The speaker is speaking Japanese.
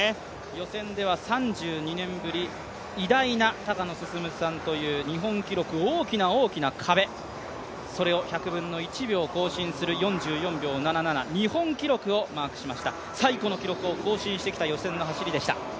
予選では３２年ぶり、偉大な高野進さんという日本記録、大きな大きな壁、それを１００分の１秒更新する４４秒７７、日本記録をマークしました最古の記録を更新してきた予選の走りでした。